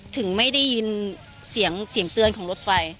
ถึงไม่ได้ยินเสียงเสียงเตือนของรถไฟ